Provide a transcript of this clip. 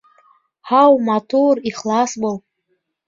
Һау, матур, ихлас бул.